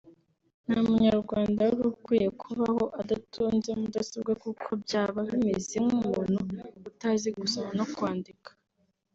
nta munyarwanda wari ukwiye kubaho adatunze mudasobwa kuko byaba bimeze nk’umuntu utazi gusoma no kwandika